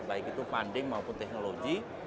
baik itu funding maupun teknologi